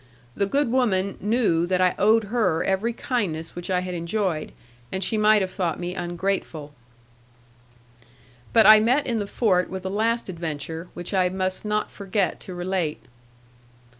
The good woman knew that I owed her every kindness which I had enjoyed, and she might have thought me ungrateful. But I met in the fort with a last adventure, which I must not forget to relate.